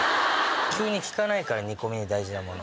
急に聞かないから煮込みで大事なもの。